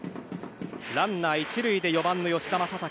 ランナー１塁で４番の吉田正尚。